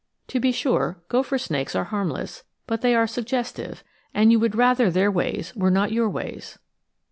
To be sure, gopher snakes are harmless, but they are suggestive, and you would rather their ways were not your ways.